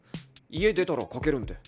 家出たらかけるんで。